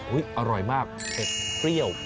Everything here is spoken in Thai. อร่อยมากเผ็ดเปรี้ยว